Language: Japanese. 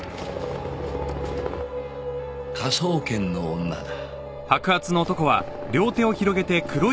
科捜研の女だ。